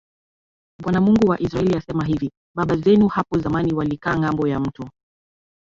Bwana Mungu wa Israeli asema hivi Baba zenu hapo zamani walikaa ngambo ya Mto